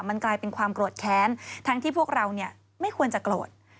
มันกลายเป็นความโกรธแค้นทั้งที่พวกเราไม่ควรจะโกรธ